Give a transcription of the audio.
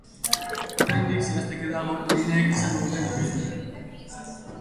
Oraindik zehazteke dago lineek izango duten ibilbidea.